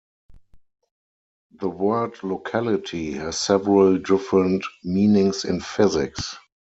The word locality has several different meanings in physics.